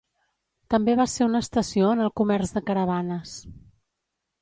També va ser una estació en el comerç de caravanes.